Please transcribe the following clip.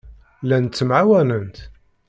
Llant ttemɛawanent.